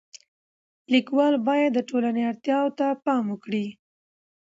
لیکوال باید د ټولنې اړتیاو ته پام وکړي.